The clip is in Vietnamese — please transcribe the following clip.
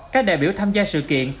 các đại biểu tham gia sự kiện